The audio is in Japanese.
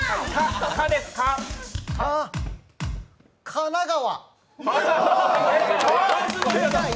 神奈川。